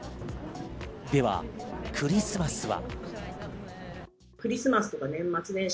では、クリスマスは。